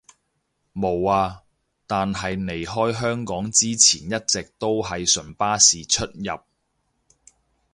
無呀，但係離開香港之前一直都係純巴士出入